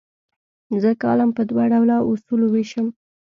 زه کالم په دوه ډوله اصولو ویشم.